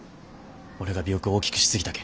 俺が尾翼を大きくしすぎたけん。